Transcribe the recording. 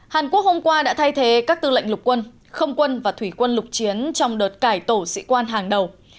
hàn quốc hôm qua đã thay thế các tư lệnh lục quân không quân và thủy quân lục chiến trong đợt cải tổ sĩ quan hàng đầu